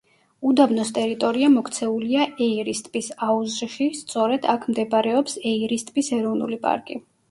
უდაბნოს ტერიტორია მოქცეულია ეირის ტბის აუზში, სწორედ აქ მდებარეობს ეირის ტბის ეროვნული პარკი.